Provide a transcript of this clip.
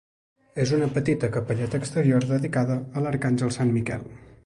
És una petita capelleta exterior dedicada a l'arcàngel Sant Miquel.